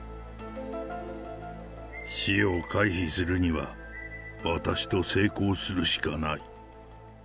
死を回避するには、私と性交するしかない。